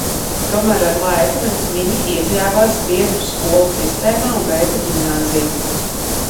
Tomēr ar laiku viņi iekļāvās zviedru skolu sistēmā un beidza ģimnāziju.